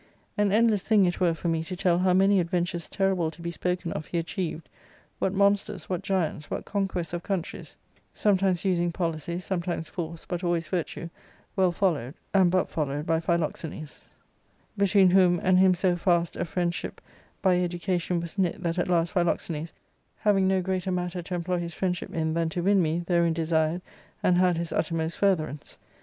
An endless thing it were for me to tell hoW j many adventures terrible to be spoken of he achieved, what monsters, what giants, what conquests of countries, some i times using policy, sometimes force, but always virtue, well followed, and but followed, by Philoxenus ; between whom and him so fast a friendship by education was knit that at last Philoxenus, having no greater matter to employ his friend sllip in than to win me, therein desired, and had his uttermost furtherance.